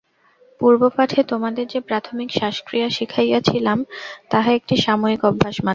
পূর্বপাঠে তোমাদের যে প্রাথমিক শ্বাস-ক্রিয়া শিখাইয়াছিলাম, তাহা একটি সাময়িক অভ্যাস মাত্র।